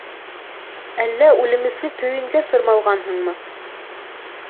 Әллә үлемесле төйөнгә сырмалғанһыңмы?